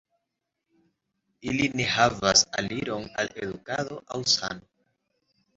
Ili ne havas aliron al edukado aŭ sano.